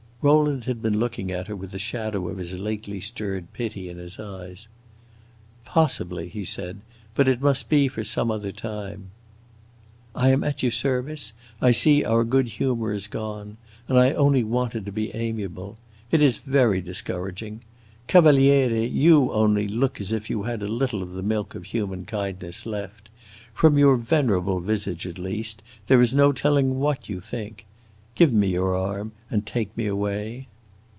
Rowland had been looking at her with the shadow of his lately stirred pity in his eyes. "Possibly," he said. "But it must be for some other time." "I am at your service. I see our good humor is gone. And I only wanted to be amiable! It is very discouraging. Cavaliere, you, only, look as if you had a little of the milk of human kindness left; from your venerable visage, at least; there is no telling what you think. Give me your arm and take me away!"